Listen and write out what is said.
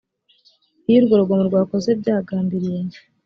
iyo urwo rugomo rwakozwe byagambiriwe